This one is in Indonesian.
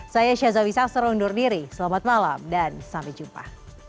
saya syazawi sakser undur diri selamat malam dan sampai jumpa